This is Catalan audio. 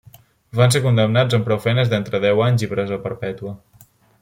Van ser condemnats amb prou feines d'entre deu anys i presó perpètua.